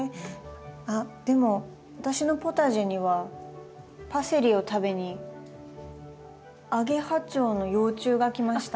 あっでも私のポタジェにはパセリを食べにアゲハチョウの幼虫が来ました。